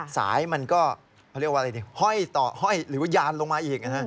สายมันก็ห้อยหรือยานลงมาอีก